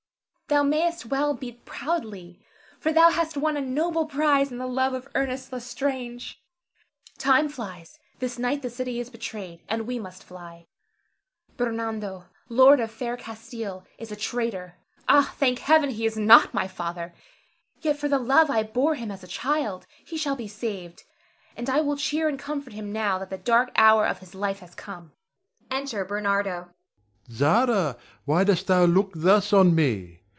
thou mayst well beat proudly, for thou hast won a noble prize in the love of Ernest L'Estrange. Time flies; this night the city is betrayed, and we must fly. Bernardo, lord of fair Castile, is a traitor. Ah, thank Heaven he is not my father! Yet for the love I bore him as a child, he shall be saved; and I will cheer and comfort him now that the dark hour of his life has come. [Enter Bernardo. Ber. Zara, why dost thou look thus on me?